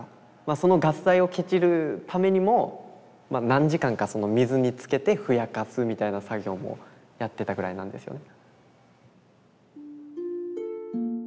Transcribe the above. そのガス代をケチるためにも何時間か水につけてふやかすみたいな作業もやってたぐらいなんですよね。